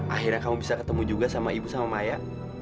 akhirnya kamu bisa ketemu juga sama ibu sama maya